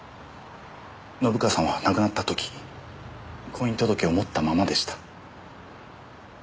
信川さんは亡くなった時婚姻届を持ったままでした。